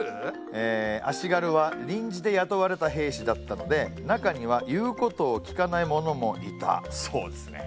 え足軽は臨時で雇われた兵士だったので中には言うことを聞かない者もいたそうですね。